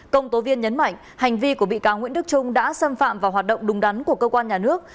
công tố viên nhấn mạnh hành vi của bị cáo nguyễn đức trung đã xâm phạm vào hoạt động đúng đắn của cơ quan nhà nước